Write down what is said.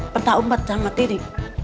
ketak umpet sama kiri